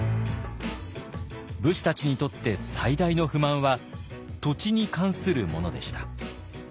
武士たちにとって最大の不満は土地に関するものでした。